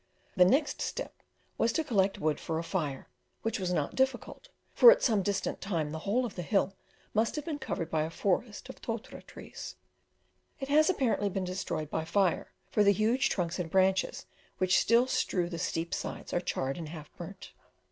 The next step was to collect wood for a fire, which was not difficult, for at some distant time the whole of the hill must have been covered by a forest of totara trees; it has apparently been destroyed by fire, for the huge trunks and branches which still strew the steep sides are charred and half burnt.